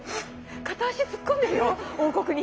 片足突っ込んでるよ王国に。